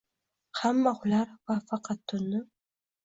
Hamma uxlar va faqat tunni